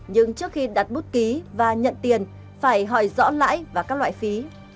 nhưng trước khi đặt bút ký và nhận tiền phải hỏi rõ lãi và các loại phí